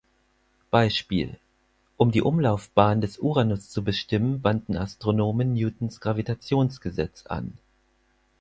Beispiel: Um die Umlaufbahn des Uranus zu bestimmen, wandten Astronomen Newtons Gravitationsgesetz an.